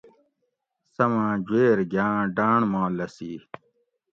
سماۤں جوئیر گھاۤں ڈاۤنڑ ما لھسی